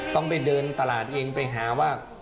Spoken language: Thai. ต้องไปเดินตลาดเองไปหาว่า